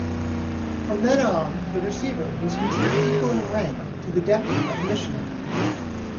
From then on, the Receiver was considered equal in rank to the Deputy Commissioner.